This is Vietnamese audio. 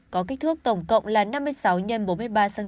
có kích thước tổng cộng là năm mươi sáu x bốn mươi ba cm